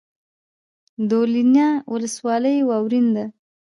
دولینه ولسوالۍ واورین ده؟